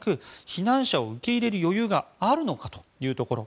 避難者を受け入れる余裕があるのかというところ。